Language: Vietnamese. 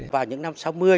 vào những năm sáu mươi